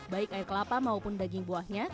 baik air kelapa maupun daging buahnya